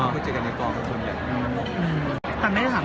คือเจอกันสัปดาห์ละ๓วัน